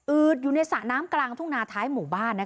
อยู่ในสระน้ำกลางทุ่งนาท้ายหมู่บ้าน